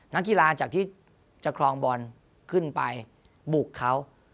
นักกีฬาจากที่จะครองบอลขึ้นไปบุกเขา